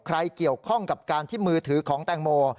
เกี่ยวข้องกับการที่มือถือของแตงโม